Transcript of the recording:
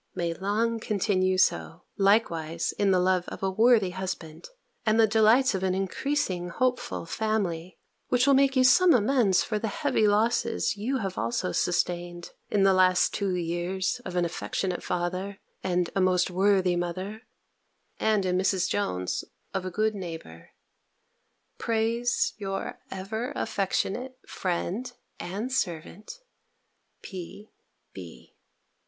may long continue so, likewise in the love of a worthy husband, and the delights of an increasing hopeful family, which will make you some amends for the heavy losses you also have sustained, in the two last years of an affectionate father, and a most worthy mother, and, in Mrs. Jones, of a good neighbour, prays your ever affectionate friend and servant, P.B.